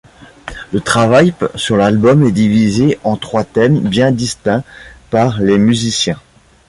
Le travail sur l'album est divisé en trois thèmes bien distincts par les musiciens.